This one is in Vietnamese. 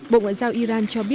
bộ ngoại giao iran